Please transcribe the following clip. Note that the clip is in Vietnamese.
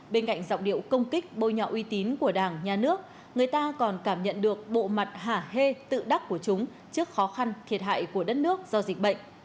bên cạnh giọng điệu công kích bôi nhọ uy tín của đảng nhà nước người ta còn cảm nhận được bộ mặt hạ hê tự đắc của chúng trước khó khăn thiệt hại của đất nước do dịch bệnh